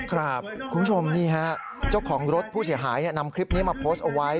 คุณผู้ชมนี่ฮะเจ้าของรถผู้เสียหายนำคลิปนี้มาโพสต์เอาไว้